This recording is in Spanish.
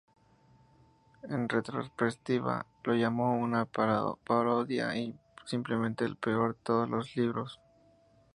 En retrospectiva, lo llamó "una parodia" y "simplemente el peor de todos mis libros".